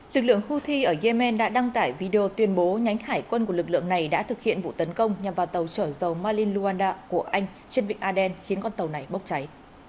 lực lượng houthi ở yemen đã đăng tải video tuyên bố nhánh hải quân của lực lượng này đã thực hiện vụ tấn công nhằm vào tàu trở dầu malin luanda của anh trên vịnh aden khiến con tàu này bốc cháy